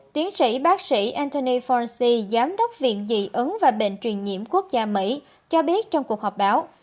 tiến sĩ bác sĩ antony faunci giám đốc viện dị ứng và bệnh truyền nhiễm quốc gia mỹ cho biết trong cuộc họp báo